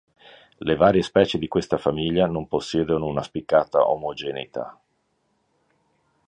Le varie specie di questa famiglia non possiedono una spiccata omogeneità.